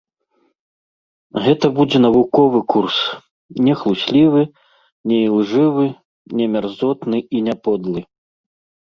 Гэта будзе навуковы курс, не хлуслівы, не ілжывы, не мярзотны і не подлы.